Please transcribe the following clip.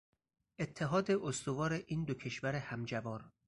اتحاد استوار این دو کشور همجوار